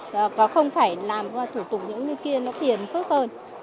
và không phải làm thủ tục những người kia nó thiền phức hơn